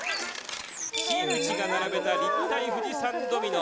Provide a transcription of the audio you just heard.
新内が並べた立体富士山ドミノ。